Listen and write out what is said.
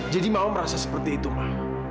jadi ma merasa seperti itu ma